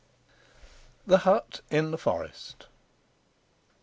THE HUT IN THE FOREST.